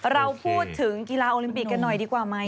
เราพูดถึงกีฬาโอลิมปิกกันหน่อยดีกว่าไหม